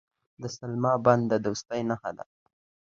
د سلما بند د دوستۍ نښه ده.